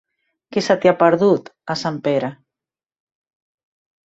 Què se t'hi ha perdut, a Sempere?